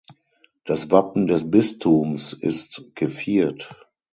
Das Wappen des Bistums ist geviert.